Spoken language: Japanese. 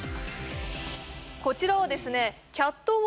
こちらはですね